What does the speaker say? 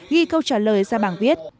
ghi câu trả lời ra bảng viết